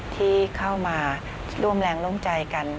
ที่เข้ามาร่วมแรงร่วมใจกัน